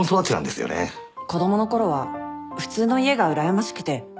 子供のころは普通の家がうらやましくて。